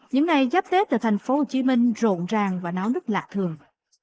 những ngày giáp tết ở thành phố hồ chí minh rộn ràng và náo nước lạ thường